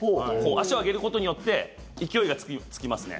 足を上げることによって勢いがつきますね。